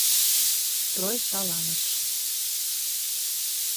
Строй шаланыш.